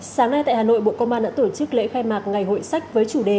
sáng nay tại hà nội bộ công an đã tổ chức lễ khai mạc ngày hội sách với chủ đề